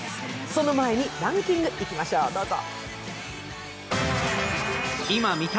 その前にランキングいきましょう、どうぞ。